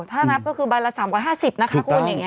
ถ้านับก็คือใบละ๓๕๐นะคะคุณอย่างนี้